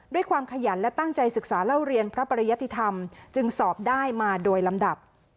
ด้วยความขยันและตั้งใจศึกษาเล่าเรียนพระปริยติธรรมจึงสอบได้มาโดยลำดับ